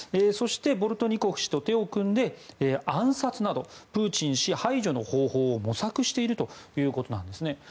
そして、ボルトニコフ氏と手を組んで暗殺などプーチン氏排除の方法を模索しているということなんですね。